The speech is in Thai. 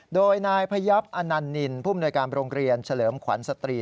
โดยนายพยับอนันนินผู้มนวยการโรงเรียนเฉลิมขวัญสตรี